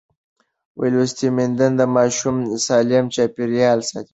لوستې میندې د ماشوم سالم چاپېریال ساتي.